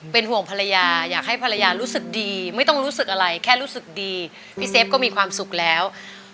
เป็นห่วงภรรยาอยากให้ภรรยารู้สึกดีไม่ต้องรู้สึกอะไรแค่รู้สึกดีพี่เซฟก็มีความสุขแล้ว